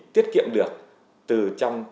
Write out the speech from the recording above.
tiết kiệm được từ trong